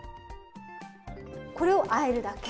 これをあえるだけ？